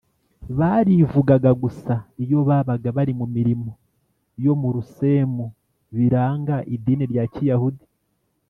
barivugaga gusa iyo babaga bari mu mirimo yo mu rusemu biranga idini rya Kiyahudi